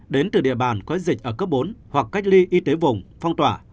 đến từ địa bàn có dịch ở cấp bốn hoặc cách ly y tế vùng phong tỏa